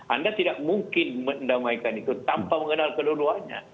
anda tidak mungkin mendamaikan itu tanpa mengenal kedua duanya